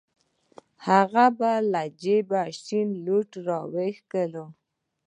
هغه به له جيبه شنه لوټونه راوکښل.